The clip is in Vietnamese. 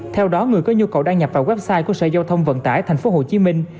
theo đó người có nhu cầu đăng nhập vào website của sở giao thông vận tải thành phố hồ chí minh